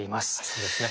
そうですね。